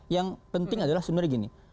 yang penting adalah sebenarnya gini